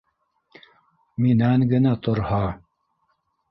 — Минән генә торһа